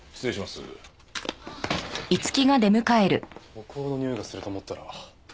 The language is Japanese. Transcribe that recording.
お香のにおいがすると思ったら。